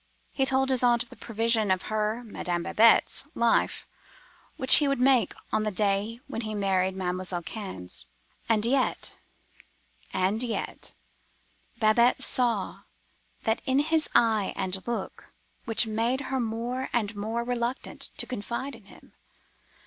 He told his aunt of the provision for her (Madame Babette's) life, which he would make on the day when he married Mam'selle Cannes. And yet—and yet—Babette saw that in his eye and look which made her more and more reluctant to confide in him.